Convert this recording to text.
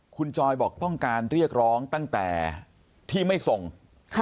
คุณจอยบอกต้องการเรียกร้องตั้งแต่ที่ไม่ส่งค่ะ